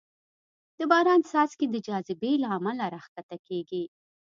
د باران څاڅکې د جاذبې له امله راښکته کېږي.